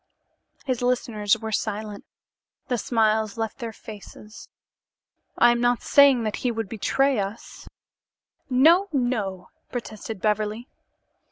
His listeners were silent. The smiles left their faces. "I am not saying that he would betray us " "No, no!" protested Beverly.